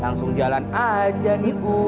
langsung jalan aja nih ibu